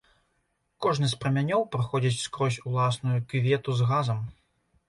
Кожны з прамянёў праходзіць скрозь уласную кювету з газам.